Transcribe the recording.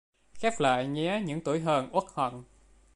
Khép lại nhé những tủi hờn uất hận